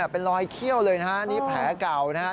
เป็นรอยเขี้ยวเลยนะฮะนี่แผลเก่านะครับ